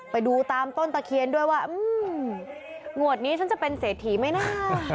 ไปดูตามต้นตะเคียนด้วยว่างวดนี้ฉันจะเป็นเศรษฐีไหมนะ